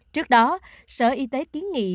trước đó sở y tế kiến nghị